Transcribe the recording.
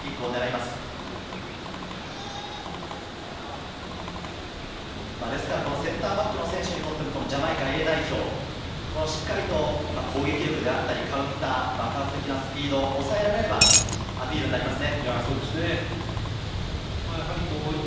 ですから、センターバックの選手にとってもジャマイカＡ代表、しっかりと攻撃力であったり、カウンター、爆発的なスピードを抑えられればアピールになりますね。